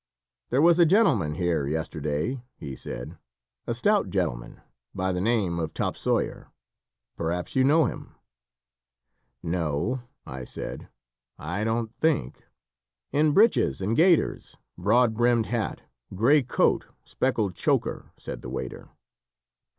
"There was a gentleman here, yesterday," he said "a stout gentleman, by the name of Topsawyer perhaps you know him." "No," I said, "I don't think " "In breeches and gaiters, broad brimmed hat, gray coat, speckled choker," said the waiter.